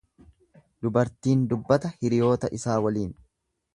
Dubartiin dubbata hiriyoota isaa waliin.